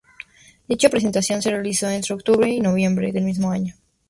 Dicha presentación se realizó entre octubre y noviembre del mismo año.